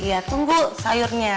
iya tunggu sayurnya